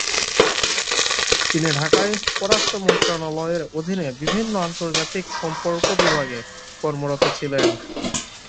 তিনি ঢাকায় পররাষ্ট্র মন্ত্রণালয়ের অধীন বিভিন্ন আন্তর্জাতিক সম্পর্ক বিভাগে কর্মরত ছিলেন।